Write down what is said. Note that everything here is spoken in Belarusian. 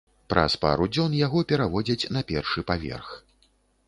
Праз пару дзён яго пераводзяць на першы паверх.